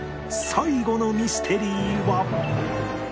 最後のミステリーは